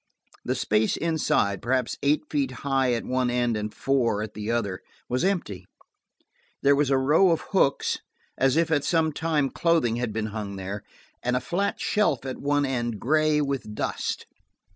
The space inside, perhaps eight feet high at one end and four at the other, was empty. There was a row of hooks, as if at some time clothing had been hung there, and a flat shelf at one end, gray with dust.